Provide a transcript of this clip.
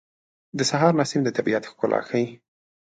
د سهار نسیم د طبیعت ښکلا ښیي.